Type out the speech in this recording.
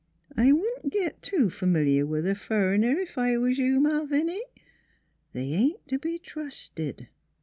I wouldn't git too f'miliar with a fur'ner, ef I was you, Malviny. They ain't t' be trusted."